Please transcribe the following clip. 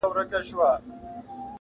کرښه د باندي ایستلې چا ده؛